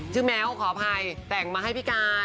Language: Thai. ชื่อแมวขออภัยแต่งมาให้พี่กัล